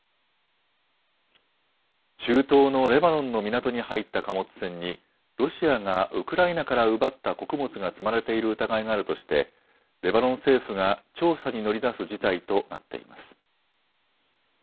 中東のレバノンの港に入った貨物船にロシアがウクライナから奪った穀物が積まれている疑いがあるとしてレバノン政府が調査に乗り出す事態となっています。